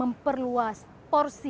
yang ketiga sebagai perusahaan